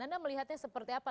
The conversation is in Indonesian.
anda melihatnya seperti apa